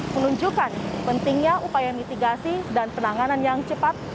menunjukkan pentingnya upaya mitigasi dan penanganan yang cepat